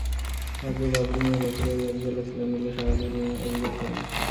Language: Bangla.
আজও বাবুল মিয়া বেপরোয়া গাড়ি চালাচ্ছিলেন বলে শাহ আলী মিয়া অভিযোগ করেন।